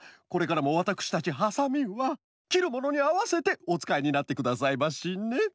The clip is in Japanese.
これからもわたくしたちハサミはきるものにあわせておつかいになってくださいましね！